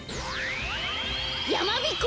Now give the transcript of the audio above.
やまびこ